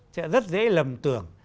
sẽ rất dễ lầm tưởng